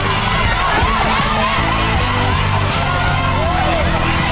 เดี๋ยวลูกตกใครแล้วค่ะ